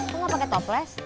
kok gak pakai toples